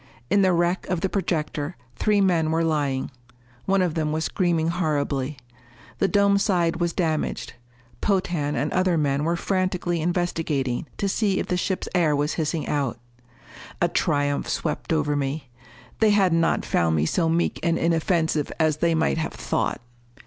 In the wreck of the projector, three men were lying. One of them was screaming horribly. The dome side was damaged. Potan and other men were frantically investigating to see if the ship's air was hissing out. A triumph swept over me. They had not found me so meek and inoffensive as they might have thought!